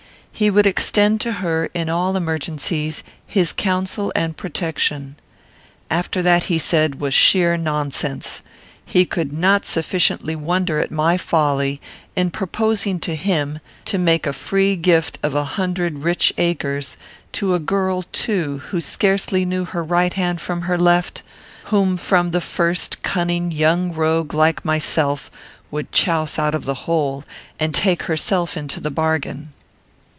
He would extend to her, in all emergencies, his counsel and protection. All that, he said, was sheer nonsense. He could not sufficiently wonder at my folly, in proposing to him to make a free gift of a hundred rich acres, to a girl too who scarcely knew her right hand from her left; whom the first cunning young rogue like myself would chouse out of the whole, and take herself into the bargain.